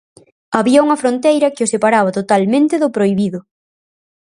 Había unha fronteira que o separaba totalmente do prohibido.